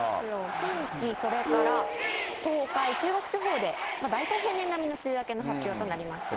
近畿、それから東海、中国地方で、大体平年並みの梅雨明けの発表となりましたね。